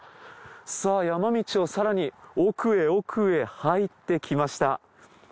さぁ山道を更に奥へ奥へ入ってきました。